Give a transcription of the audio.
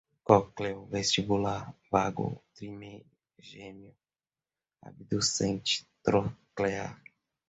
cócleo-vestibular, vago, trigêmeo, abducente, troclear, olfatório, hipoglosso, glossofaríngeo